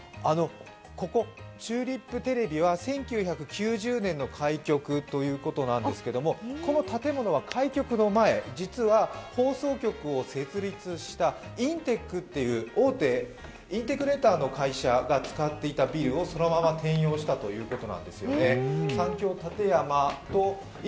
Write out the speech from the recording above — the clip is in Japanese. ここチューリップテレビは１９９０年の開局ということなんですが、この建物は開局の前、実は放送局を設立したインテックという大手、インテックレーターの会社が使っていた会社をそのまま兼用したということなんですよね。